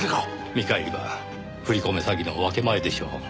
見返りは振り込め詐欺の分け前でしょう。